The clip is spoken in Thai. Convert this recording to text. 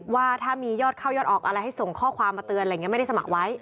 ว่าถ้ามียอดเข้ายอดออกอะไรให้ส่งข้อความมาเตือนอะไรอย่างนี้ไม่ได้สมัครไว้